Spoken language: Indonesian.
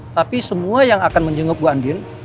tapi semua yang akan menjenguk mbak andin